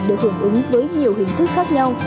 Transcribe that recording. được hưởng ứng với nhiều hình thức khác nhau